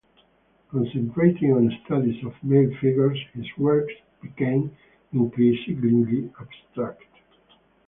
Concentrating on studies of male figures, his works became increasingly abstract.